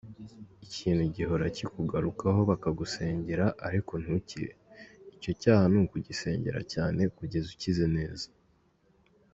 Ikintu gihora kikugarukaho bakagusengera ariko ntukire, icyo cyaha ni ukugisengera cyane kugeza ukize neza.